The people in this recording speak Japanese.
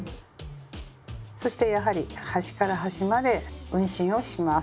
そしてやはり端から端まで運針をします。